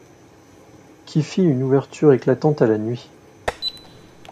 Qui fit une ouverture éclatante à la nuit